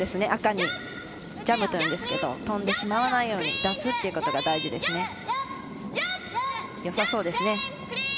赤にジャムという飛んでしまわないように出すっていうことが大事ですね。